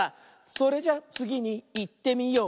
「それじゃつぎにいってみよう」